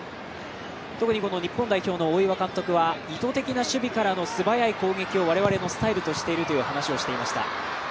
特に日本代表の大岩監督は意図的な守備からの素早い攻撃を我々のスタイルとしていると話をしていました。